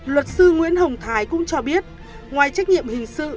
luật sư nguyễn hồng thái cũng cho biết ngoài trách nhiệm hình sự